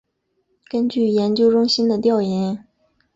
根据研究中心的调研